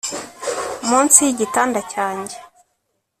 'munsi yigitanda cyanjye